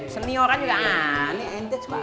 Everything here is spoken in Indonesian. senioran juga aneh